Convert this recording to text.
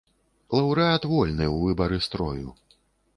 Лаўрэат вольны ў выбары строю.